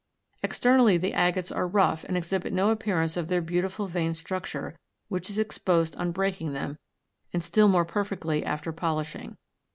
Externally the agates are rough and exhibit no appearance of their beautiful, veined structure, which is exposed on breaking them, and still more perfectly after polishing.